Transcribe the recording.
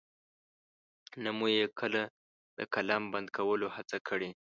نه مو يې کله د قلم بند کولو هڅه کړې.